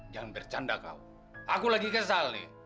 jangan bercanda kau aku lagi kesal nih